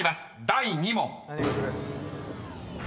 第２問］